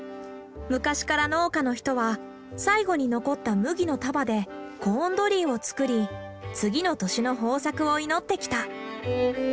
昔から農家の人は最後に残った麦の束でコーンドリーを作り次の年の豊作を祈ってきた。